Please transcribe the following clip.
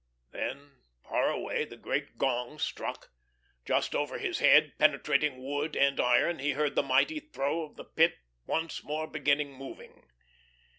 Then far away the great gong struck. Just over his head, penetrating wood and iron, he heard the mighty throe of the Pit once more beginning, moving.